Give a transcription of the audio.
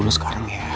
gue tau gue tahan